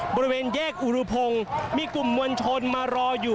บริเวณแยกอุรุพงศ์มีกลุ่มมวลชนมารออยู่